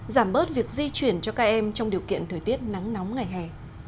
giảm bớt việc di chuyển cho các em trong điều kiện thời tiết nắng nóng ngày hè